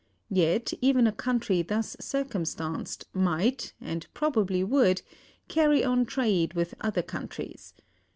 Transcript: Yet even a country thus circumstanced might, and probably would, carry on trade with other countries.